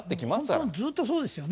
本当ずっとそうですよね。